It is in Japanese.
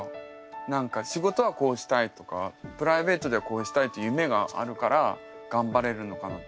何か仕事はこうしたいとかプライベートではこうしたいと夢があるからがんばれるのかなって